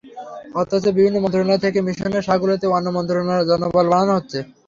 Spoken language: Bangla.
অথচ বিভিন্ন মন্ত্রণালয় থেকে মিশনের শাখাগুলোতে অন্য মন্ত্রণালয়ের জনবল বাড়ানো হচ্ছে।